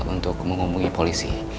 untuk mengumumi polisi